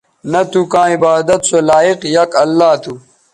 نہ تھو کاں عبادت سو لائق یک اللہ تھو